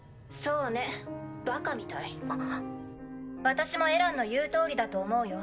私もエランの言うとおりだと思うよ。